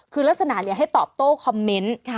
คือลักษณะอย่างนี้ให้ตอบโต้คอมเมนต์